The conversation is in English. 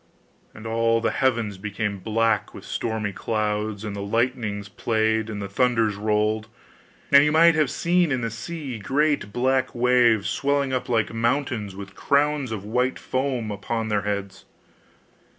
And all the heavens became black with stormy clouds, and the lightnings played, and the thunders rolled; and you might have seen in the sea great black waves, swelling up like mountains with crowns of white foam upon their heads.